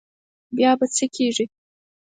بیا به څه کېږي.